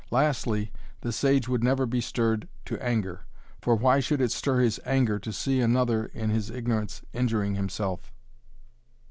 Lastly, the sage would never be stirred to anger. For why should it stir his anger to see another in his ignorance injuring himself?